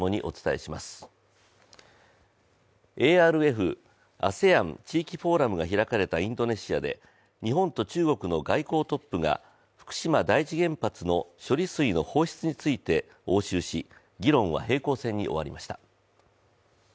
ＡＲＦ＝ＡＳＥＡＮ地域フォーラムが開かれたインドネシアで日本と中国の外交トップが福島第一原発の処理水の放出について応酬し議論は平行線に終わりました。